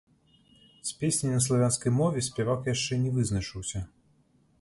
З песняй на славянскай мове спявак яшчэ не вызначыўся.